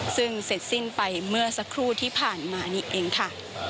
ซึ่งเสร็จสิ้นไปเมื่อสักครู่ที่ผ่านมานี่เองค่ะ